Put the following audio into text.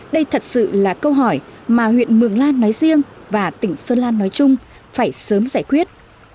đây thật sự là câu hỏi mà huyện mường lan nói riêng và tỉnh sơn lan nói chung phải sớm giải quyết